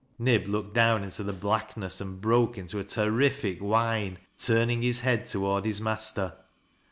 Nib looked down into the blackness, and broke into a tcnifi'j whine, turning his head toward his master.